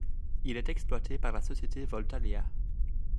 Il est exploité par la société Voltalia.